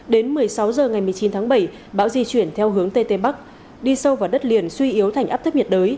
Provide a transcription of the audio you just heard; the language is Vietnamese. đến một mươi sáu h ngày một mươi chín tháng bảy bão di chuyển theo hướng tây tây bắc đi sâu vào đất liền suy yếu thành áp thấp nhiệt đới